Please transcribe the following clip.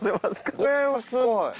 これはすごい。